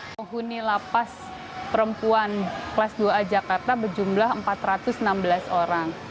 penghuni lapas perempuan kelas dua a jakarta berjumlah empat ratus enam belas orang